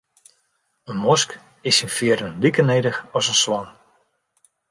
In mosk is syn fearen like nedich as in swan.